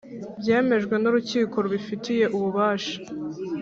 Byemejwe n’urukiko rubifitiye ububasha